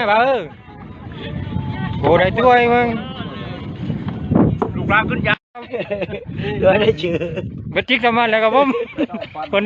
เฮ้ยโอ้เกาะคุณของพ่อตัวเราเยียดซ่ะไม่ดีสิท่ามาแล้ว